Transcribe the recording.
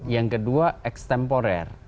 yang kedua extemporer